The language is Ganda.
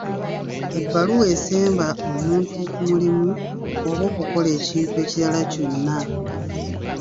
ebbaluwa esemba omuntu ku mulimu oba okukola ekintu ekirala kyonna.